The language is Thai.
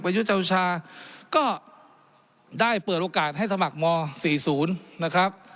เป็นยุทธ์เจ้าชาก็ได้เปิดโอกาสให้สมัครมอสี่ศูนย์นะครับ